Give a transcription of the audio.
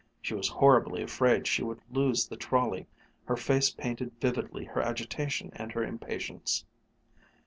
She was horribly afraid she would lose the trolley. Her face painted vividly her agitation and her impatience.